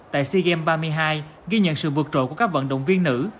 tại sea games ba mươi hai ghi nhận sự vượt trội của các vận động viên nữ